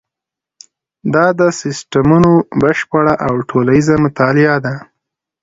دا د سیسټمونو بشپړه او ټولیزه مطالعه ده.